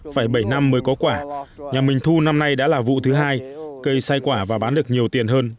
phải bảy năm mới có quả nhà mình thu năm nay đã là vụ thứ hai cây sai quả và bán được nhiều tiền hơn